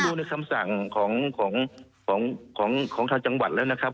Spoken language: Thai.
ดูในคำสั่งของทางจังหวัดแล้วนะครับ